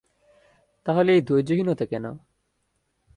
তাহলে এই ধৈর্যহীনতা কেন?